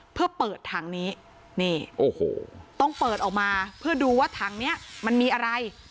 เพื่อเปิดถังนี้นี่โอ้โหต้องเปิดออกมาเพื่อดูว่าถังเนี้ยมันมีอะไร